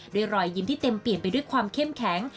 รอยยิ้มที่เต็มเปลี่ยนไปด้วยความเข้มแข็ง